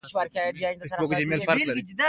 د زوی جنازه یې ښخوله.